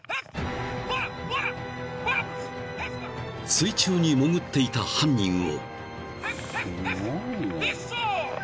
［水中に潜っていた犯人を］